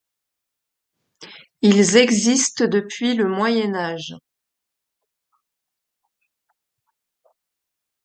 Ils existent depuis le Moyen Âge.